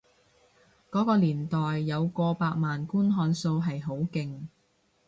嗰個年代有過百萬觀看數係好勁